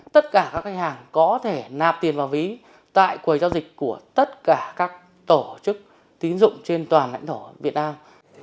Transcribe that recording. tất cả các khách hàng có thể nạp tiền vào ví tại quầy giao dịch của tất cả các tổ chức tín dụng trên toàn lãnh thổ việt nam